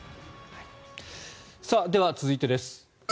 では、続いてです。